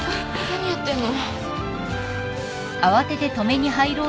何やってんの？